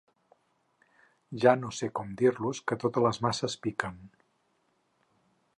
Ja no sé com dir-los que totes les masses piquen.